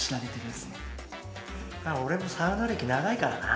まあ俺もサウナ歴長いからな。